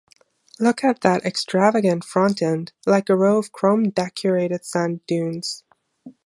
Look at that extravagant front end, like a row of chrome-decorated sand dunes.